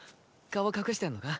顔隠してんのか？